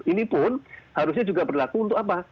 ini pun harusnya juga berlaku untuk apa